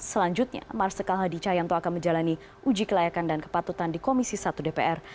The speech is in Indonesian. selanjutnya marsikal hadi cahyanto akan menjalani uji kelayakan dan kepatutan di komisi satu dpr